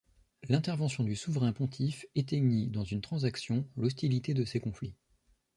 L’intervention du souverain pontife éteignit, dans une transaction, l’hostilité de ces conflits.